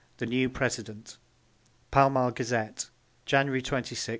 THE NEW PRESIDENT (Pall Mall Gazette, January 26, 1889.)